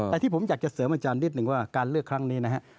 แต่ที่ผมอยากจะเสริมอาจารย์นิดนึงว่าการเลือกครั้งนี้นะฮะ